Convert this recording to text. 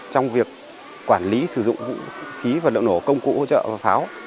trong việc quản lý sử dụng vũ khí vật liệu nổ công cụ hỗ trợ và pháo